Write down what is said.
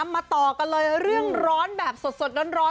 มาต่อกันเลยเรื่องร้อนแบบสดร้อน